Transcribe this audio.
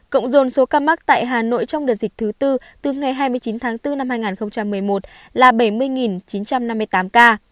cộng dồn số ca mắc tại hà nội trong đợt dịch thứ tư từ ngày hai mươi chín tháng bốn năm hai nghìn một mươi một là bảy mươi chín trăm năm mươi tám ca